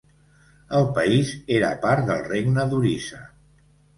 El país era part del regne d'Orissa.